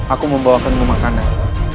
aku membawakan pemakanan